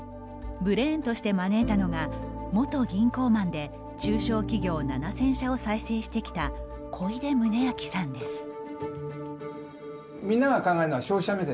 ブレーンとして招いたのが元銀行マンで中小企業７０００社を再生してきた小出宗昭さんです。